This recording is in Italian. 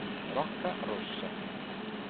Rocca Rossa